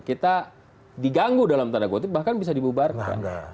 kita diganggu dalam tanda gotik bahkan bisa jadi berbeda